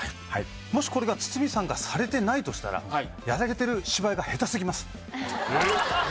はいもしこれが堤さんがされてないとしたらやられてる芝居が下手すぎます